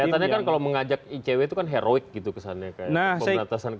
keliatannya kan kalau mengajak icw itu kan heroik gitu kesannya pemberantasan korupsi